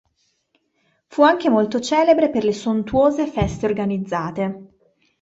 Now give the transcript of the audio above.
Fu anche molto celebre per le sontuose feste organizzate.